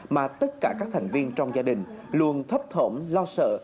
mà tất cả các thành viên trong gia đình luôn thấp thỏm lo sợ